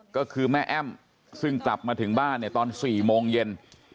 ก็คือแม่แอ้มซึ่งกลับมาถึงบ้านเนี่ยตอน๔โมงเย็น